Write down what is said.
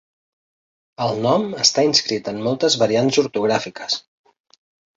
El nom està inscrit en moltes variants ortogràfiques.